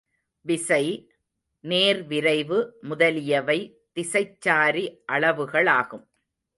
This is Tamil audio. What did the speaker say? விசை, நேர்விரைவு முதலியவை திசைச்சாரி அளவுகளாகும்.